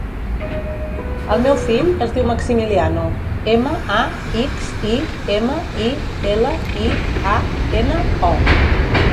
El meu fill es diu Maximiliano: ema, a, ics, i, ema, i, ela, i, a, ena, o.